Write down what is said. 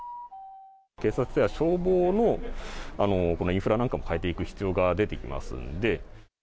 警察や消防の、このインフラなんかも変えていく必要が出てきますので。